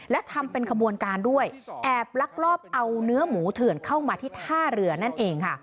และทำเป็นขบวนการด้วยแอบลักลอบเอาเนื้อหมูเถื่อนเข้ามาที่ท่าเรือนั่นเองค่ะ